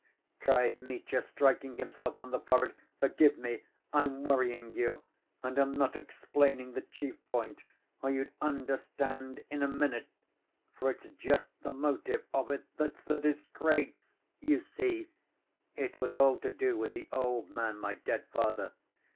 cried Mitya, striking himself on the forehead; "forgive me, I'm worrying you, and am not explaining the chief point, or you'd understand in a minute, for it's just the motive of it that's the disgrace! You see, it was all to do with the old man, my dead father.